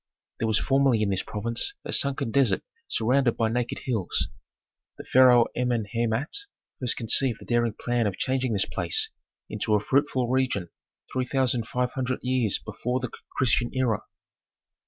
There was formerly in this province a sunken desert surrounded by naked hills. The pharaoh Amenhemat first conceived the daring plan of changing this place into a fruitful region, three thousand five hundred years before the Christian era.